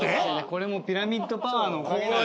これもピラミッドパワーのおかげなの。